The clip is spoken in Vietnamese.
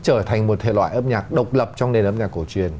trở thành một thể loại âm nhạc độc lập trong nền âm nhạc cổ truyền